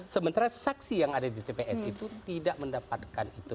sementara saksi yang ada di tps itu tidak mendapatkan itu